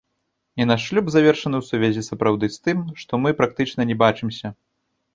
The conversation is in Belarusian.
І наш шлюб завершаны ў сувязі сапраўды з тым, што мы практычна не бачымся.